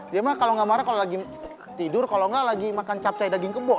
dia mah kalau nggak marah kalau lagi tidur kalau nggak lagi makan capte daging kebo